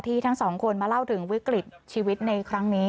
ทั้งสองคนมาเล่าถึงวิกฤตชีวิตในครั้งนี้